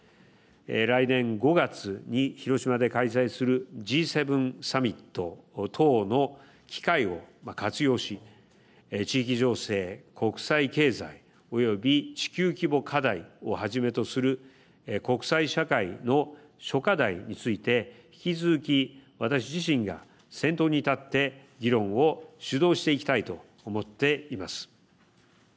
来年５月に広島で開催するＧ７サミット等の機会を活用し、地域情勢、国際経済及び地球規模課題をはじめとする国際社会の諸課題について引き続き、私自身が先頭に立って議論を主導していきたいと思っています。